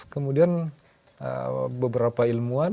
kemudian beberapa ilmuwan